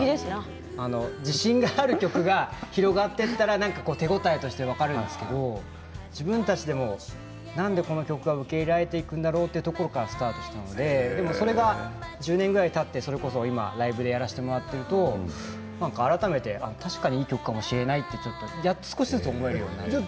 自信のある曲が広がっていったら手応えとして分かるんですけど自分たちも、なんでこの曲が受け入れられていくんだろうというところからスタートしたのでそれが１０年ぐらいたって今、ライブでやらせてもらっていると確かに、いい曲かもしれないって思うようになりました。